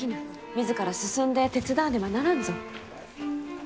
自ら進んで手伝わねばならんぞ。